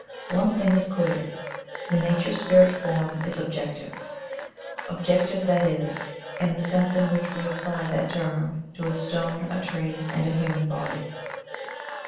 One thing is clear — the nature spirit form is objective — objec tive, that is, in the sense in which we apply that term to a stone, a tree, and a human body.